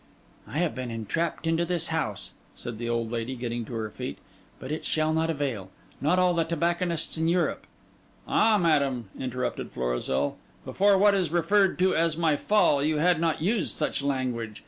'I have been entrapped into this house,' said the old lady, getting to her feet. 'But it shall not avail. Not all the tobacconists in Europe ...' 'Ah, madam,' interrupted Florizel, 'before what is referred to as my fall, you had not used such language!